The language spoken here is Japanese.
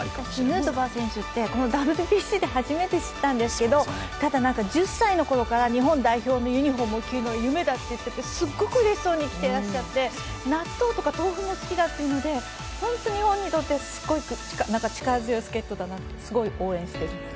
ヌートバー選手ってＷＢＣで初めて知ったんですけどただ、１０歳のころから日本代表のユニフォームを着のが夢だったとすっごくうれしそうに着てらっしゃって納豆とか豆腐も好きだそうで本当に日本にとって力強い助っ人だなと、すごい応援しています。